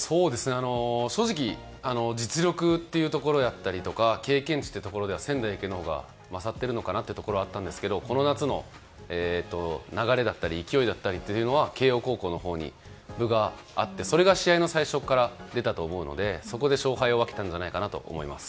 正直実力というところだったり経験値というところでは仙台育英のほうが勝っているのかなというところはあったんですけれどもこの夏の流れだったり勢いだったりというのは慶應高校のほうに分があってそれが試合の最初から出たと思うのでそこで勝敗を分けたんじゃないかなと思います。